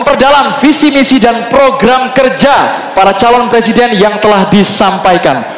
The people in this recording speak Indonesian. perdalam visi misi dan program kerja para calon presiden yang telah disampaikan